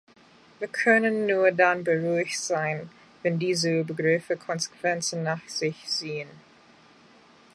Wir können nur dann beruhigt sein, wenn diese Übergriffe Konsequenzen nach sich ziehen.